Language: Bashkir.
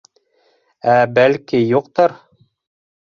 Ә, бәлки, юҡтыр?